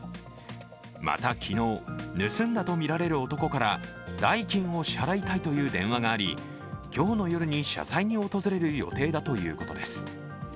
また、昨日、盗んだとみられる男から代金を支払いたいという電話があり今日の夜に謝罪に訪れる予定だということです。